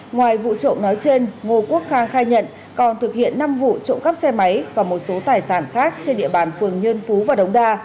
ngoài vụ trộm nói trên ngô quốc khang khai nhận còn thực hiện năm vụ trộm cắp xe máy và một số tài sản khác trên địa bàn phường nhơn phú và đống đa